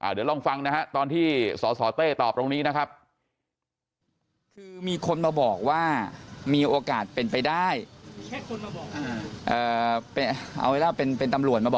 เดี๋ยวลองฟังนะฮะตอนที่สสเต้ตอบตรงนี้นะครับ